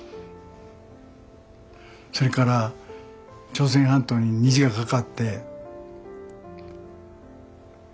それから朝鮮半島に虹がかかって。